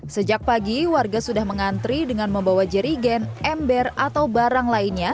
sejak pagi warga sudah mengantri dengan membawa jerigen ember atau barang lainnya